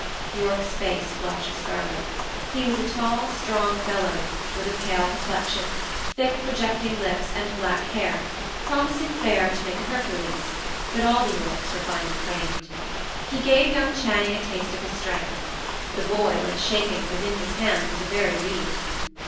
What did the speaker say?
Yorke's face flushed scarlet. He was a tall, strong fellow, with a pale complexion, thick, projecting lips, and black hair, promising fair to make a Hercules but all the Yorkes were finely framed. He gave young Channing a taste of his strength; the boy, when shaken, was in his hands as a very reed.